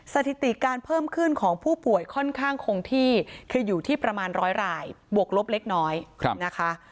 สถิติการเพิ่มขึ้นของผู้ป่วยค่อนข้างคงที่คืออยู่ที่ประมาณร้อยรายบวกลบเล็กน้อยนะคะ